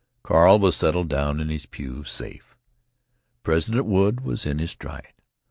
Carl was settled down in his pew, safe. President Wood was in his stride.